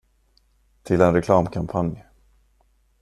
Till en reklamkampanj.